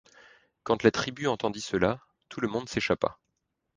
Quand la tribu entendit cela, tout le monde s’échappa.